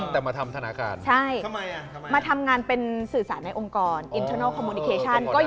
แต่มาทำธนาคาร